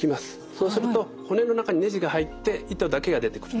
そうすると骨の中にねじが入って糸だけが出てくると。